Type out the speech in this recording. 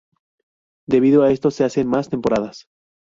Debido a esto se hacen más temporadas.